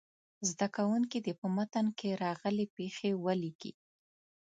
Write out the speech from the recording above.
زده کوونکي دې په متن کې راغلې پيښې ولیکي.